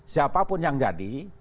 siapapun yang jadi